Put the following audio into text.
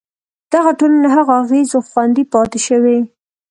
دغه ټولنې له هغو اغېزو خوندي پاتې شوې.